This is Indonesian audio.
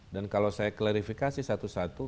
dan kalau saya klarifikasi satu satu